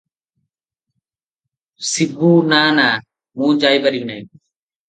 ଶିବୁ ନା, ନା, ମୁଁ ଯାଇ ପାରିବି ନାହିଁ ।